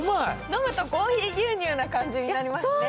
飲むとコーヒー牛乳な感じになりますね。